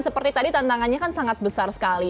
seperti tadi tantangannya kan sangat besar sekali